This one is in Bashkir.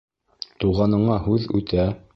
Туғаныңа һүҙ үтә.